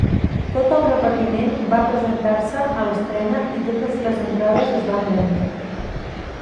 Tot el repartiment va presentar-se a l'estrena i totes les entrades es van vendre.